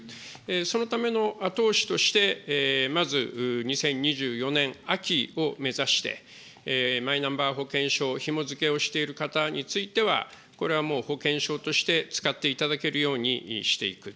そのための後押しとして、まず、２０２４年秋を目指して、マイナンバー保険証ひも付けをしている方については、これはもう保険証として使っていただけるようにしていく。